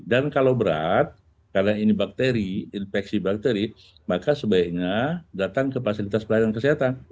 dan kalau berat karena ini bakteri infeksi bakteri maka sebaiknya datang ke fasilitas pelayanan kesehatan